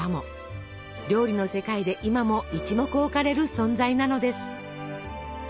料理の世界で今も一目置かれる存在なのです。